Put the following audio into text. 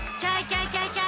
ちょいちょい！